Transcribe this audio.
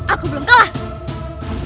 aku belum tahu